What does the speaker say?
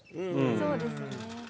そうですね。